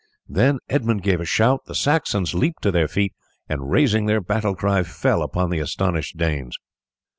Then Edmund gave a shout, the Saxons leaped to their feet, and raising their battle cry fell upon the astonished Danes.